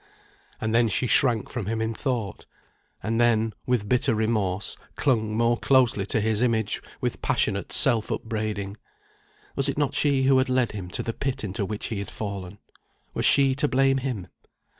And then she shrank from him in thought; and then, with bitter remorse, clung more closely to his image with passionate self upbraiding. Was it not she who had led him to the pit into which he had fallen? Was she to blame him?